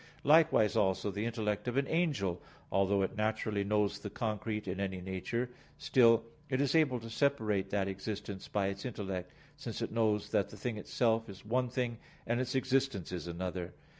Likewise, also, the intellect of an angel, although it naturally knows the concrete in any nature, still it is able to separate that existence by its intellect; since it knows that the thing itself is one thing, and its existence is another.